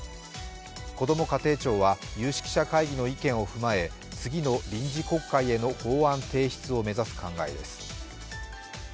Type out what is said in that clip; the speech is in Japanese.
こども家庭庁は有識者会議の意見を踏まえ次の臨時国会への法案提出を目指す考えです。